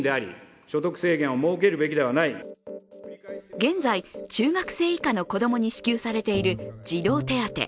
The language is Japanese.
現在、中学生以下の子供に支給されている児童手当。